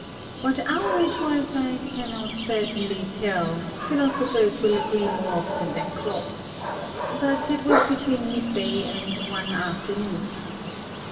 What hour it was I cannot certainly tell; philosophers will agree more often than clocks; but it was between midday and one after noon.